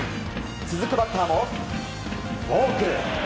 続くバッターもフォーク。